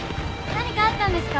何かあったんですか？